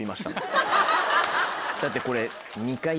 だってこれ。